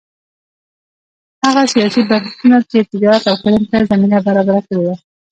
هغه سیاسي بنسټونه چې تجارت او کرنې ته زمینه برابره کړې وه